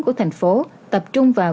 của thành phố tập trung vào